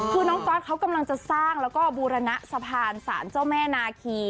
คือน้องก๊อตเขากำลังจะสร้างแล้วก็บูรณะสะพานสารเจ้าแม่นาคี